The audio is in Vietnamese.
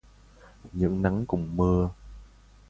Những nắng cùng mưa